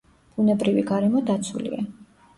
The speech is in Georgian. ბუნებრივი გარემო დაცულია.